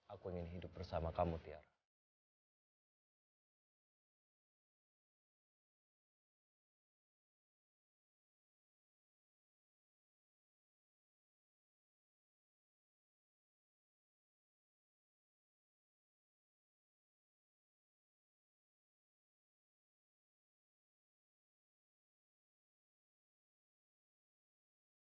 aku ingin hidup bersama kamu tiara